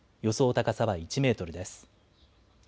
高さは１メートルです。